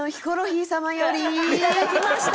「いただきました！」